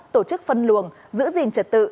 tổ chức phân luồng giữ gìn trật tự